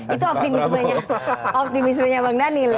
itu optimismenya optimismenya bang daniel